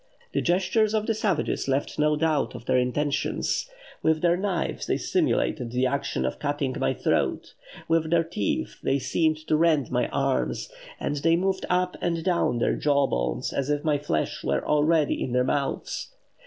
The gestures of the savages left no doubt of their intentions; with their knives they simulated the action of cutting my throat, with their teeth they seemed to rend my arms, and they moved up and down their jawbones as if my flesh were already in their mouths....